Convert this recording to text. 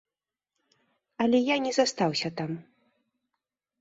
Але я не застаўся там.